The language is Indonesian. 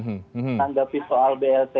menganggapi soal blt